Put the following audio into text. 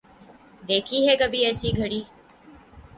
دیکھی ہے کبھی ایسی گھڑی